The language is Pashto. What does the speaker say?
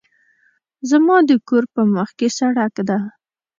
زما د کور په مخکې سړک ده